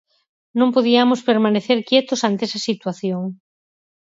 Non podiamos permanecer quietos ante esta situación.